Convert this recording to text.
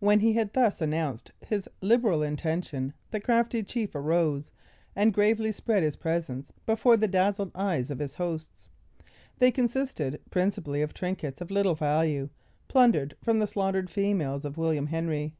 When he had thus announced his liberal intention, the crafty chief arose, and gravely spread his presents before the dazzled eyes of his hosts. They consisted principally of trinkets of little value, plundered from the slaughtered females of William Henry.